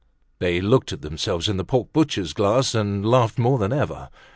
They looked at themselves in the pork butcher's glass and laughed more than ever.